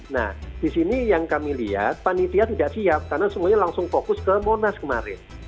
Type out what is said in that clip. nah di sini yang kami lihat panitia tidak siap karena semuanya langsung fokus ke monas kemarin